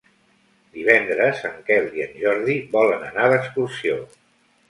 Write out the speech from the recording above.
Divendres en Quel i en Jordi volen anar d'excursió.